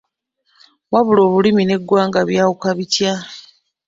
Wabula Olulimi n’eggwanga byawuka bitya